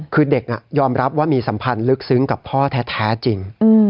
คือเด็กยอมรับว่ามีสัมพันธ์ลึกซึ้งกับพ่อแท้จริง